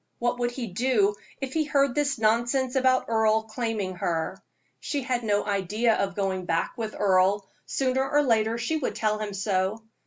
What would he do if he heard this nonsense about Earle claiming her? She had no idea of going back with Earle sooner or later she would tell him so.